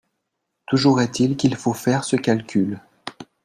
Toujours est-il qu’il faut faire ce calcul.